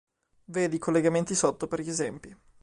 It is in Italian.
Vedi i collegamenti sotto per gli esempi.